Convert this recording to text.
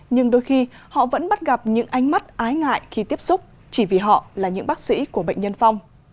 nhưng đôi khi họ vẫn bắt gặp những ánh mắt ái ngại khi tiếp xúc chỉ vì họ là những bác sĩ của bệnh nhân phong